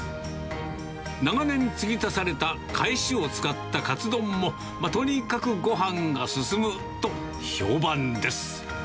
長年、つぎ足されたかえしを使ったカツ丼も、とにかくごはんが進むと、評判です。